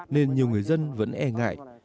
nên nhiều người dân vẫn e ngang